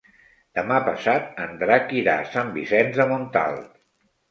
Demà passat en Drac irà a Sant Vicenç de Montalt.